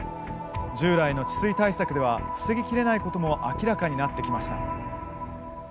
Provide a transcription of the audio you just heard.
従来の治水対策では防ぎきれないことも明らかになってきました。